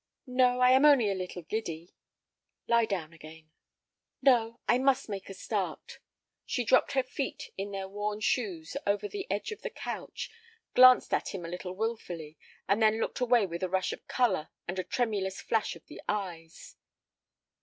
"No, I am only a little giddy." "Lie down again." "No, I must make a start." She dropped her feet in their worn shoes over the edge of the couch, glanced at him a little wilfully, and then looked away with a rush of color and a tremulous flash of the eyes.